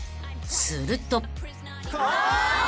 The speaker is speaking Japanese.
［すると］